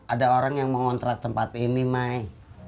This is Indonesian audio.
ada orang yang mengontrak tempat ini mai